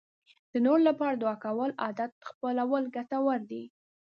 د نورو لپاره د دعا کولو عادت خپلول ګټور دی.